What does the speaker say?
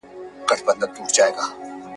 د بډای په ختم کي ملا نه ستړی کېږي ..